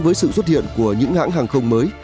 với sự xuất hiện của những hãng hàng không mới